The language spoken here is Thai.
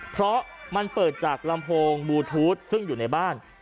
เพราะมันเปิดจากลำโพงบลูทูธซึ่งอยู่ในบ้าน